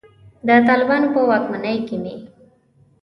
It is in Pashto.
د طالبانو په واکمنۍ کې مې.